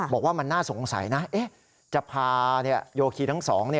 บอกว่ามันน่าสงสัยนะจะพาโยคีทั้งสอง